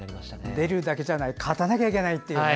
出るだけじゃなくて勝たなきゃいけないという。